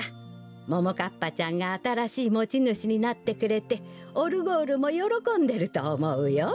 ももかっぱちゃんがあたらしいもちぬしになってくれてオルゴールもよろこんでるとおもうよ。